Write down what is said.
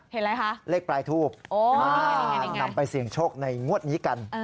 เห็นอะไรคะเลขปลายทูบนำไปเสี่ยงโชคในงวดนี้กัน